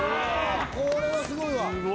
これはすごいわ。